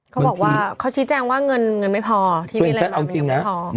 เขาบอกว่าเขาชี้แจ้งว่าเงินเงินไม่พอเอาจริงนะอืม